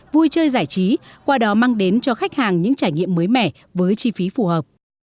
vui chơi giải trí qua đó mang đến cho khách hàng những trải nghiệm mới mẻ với chi phí phù hợp